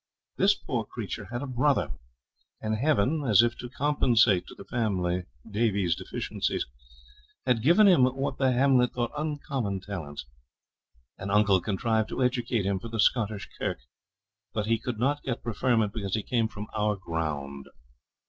'This poor creature had a brother, and Heaven, as if to compensate to the family Davie's deficiencies, had given him what the hamlet thought uncommon talents. An uncle contrived to educate him for the Scottish kirk, but he could not get preferment because he came from our GROUND.